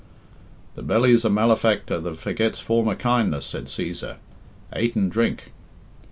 "The belly's a malefactor that forgets former kindness," said Cæsar; "ate and drink."